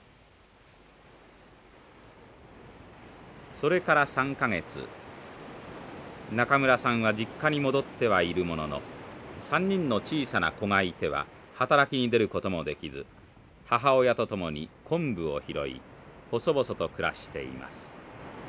それから３か月中村さんは実家に戻ってはいるものの３人の小さな子がいては働きに出ることもできず母親と共に昆布を拾い細々と暮らしています。